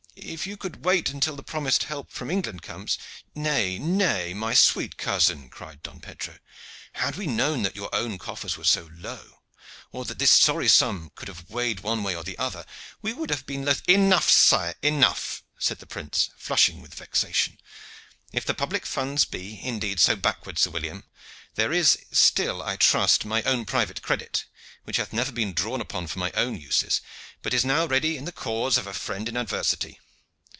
If you could wait until the promised help from England comes " "Nay, nay, my sweet cousin," cried Don Pedro. "Had we known that your own coffers were so low, or that this sorry sum could have weighed one way or the other, we had been loth indeed " "Enough, sire, enough!" said the prince, flushing with vexation. "If the public funds be, indeed, so backward, Sir William, there is still, I trust, my own private credit, which hath never been drawn upon for my own uses, but is now ready in the cause of a friend in adversity.